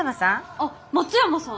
あっ松山さん。